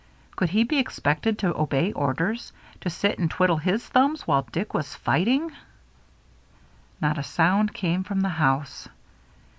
Could he be expected to obey orders ? To sit and twiddle his thumbs while Dick was fighting? Not a sound came from the house.